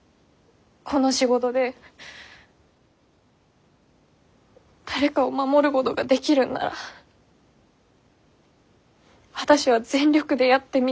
この仕事で誰かを守るごどができるんなら私は全力でやってみたい。